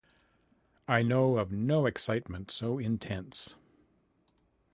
I know of no excitement so intense.